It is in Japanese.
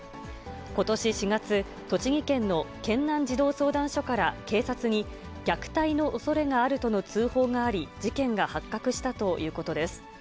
ことし４月、栃木県の県南児童相談所から警察に虐待のおそれがあるとの通報があり、事件が発覚したということです。